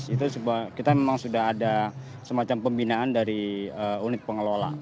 itu kita memang sudah ada semacam pembinaan dari unit pengelola